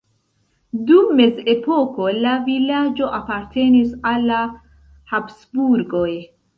Dum mezepoko la vilaĝo apartenis al la Habsburgoj.